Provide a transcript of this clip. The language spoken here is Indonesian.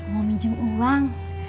mau minjem uang